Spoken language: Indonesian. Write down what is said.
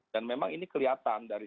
dan memang ini kelihatan dari